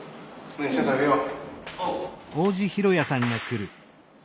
よし食べよう。